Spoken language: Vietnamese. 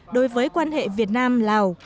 đối với quan hệ việt nam lào